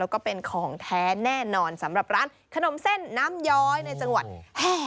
แล้วก็เป็นของแท้แน่นอนสำหรับร้านขนมเส้นน้ำย้อยในจังหวัดแห่